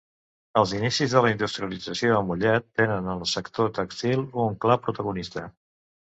Els inicis de la industrialització a Mollet tenen en el sector tèxtil un clar protagonista.